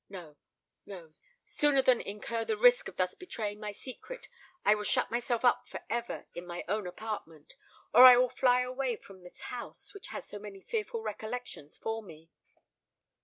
No—no: sooner than incur the risk of thus betraying my secret, I will shut myself up for ever in my own apartment—or I will fly far away from this house which has so many fearful recollections for me!"